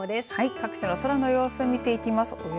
各地の空の様子を見ていきます。